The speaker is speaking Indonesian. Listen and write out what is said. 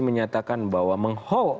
menyatakan bahwa mengho